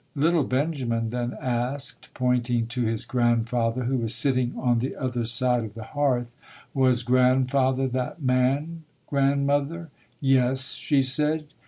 Little Benjamin then asked, pointing to his grandfather, who was sitting on the other side of the hearth, "Was grandfather that man, grand mother?" "Yes", she said.